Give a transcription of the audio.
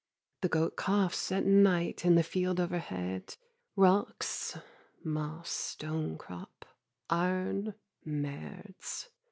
The goat coughs at night in the field overhead; Rocks, moss, stonecrop, iron, merds.